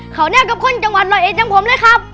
เขาเนี่ยกับคนจังหวัดร้อยเอ็ดอย่างผมเลยครับ